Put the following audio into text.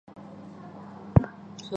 毕业于新疆大学生物学专业。